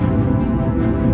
ilmu siaran apa itu